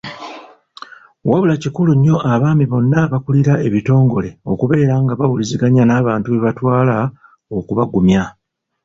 Wabula kikulu nnyo abaami bonna abakulira ebitongole okubeera nga bawuliziganya n'abantu be batwala okubagumya.